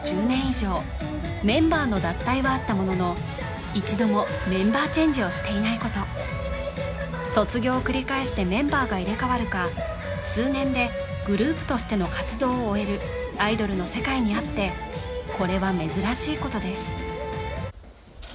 年以上メンバーの脱退はあったものの一度もメンバーチェンジをしていないこと卒業を繰り返してメンバーが入れ替わるか数年でグループとしての活動を終えるアイドルの世界にあってこれは珍しいことです